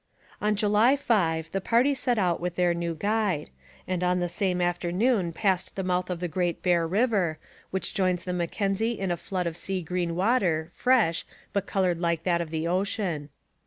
On July 5, the party set out with their new guide, and on the same afternoon passed the mouth of the Great Bear river, which joins the Mackenzie in a flood of sea green water, fresh, but coloured like that of the ocean.